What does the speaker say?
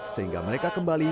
sehingga mereka kembali